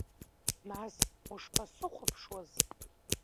Нас ушԥасыхәаԥшуаз?